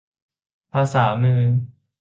ภาษามือ